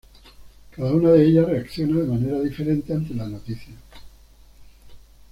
Cada una de ellas reacciona de manera diferente ante la noticia.